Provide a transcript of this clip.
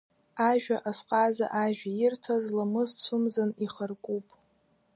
Ажәа азҟаза ажәа ирҭаз, ламыс цәымзан ихаркуп.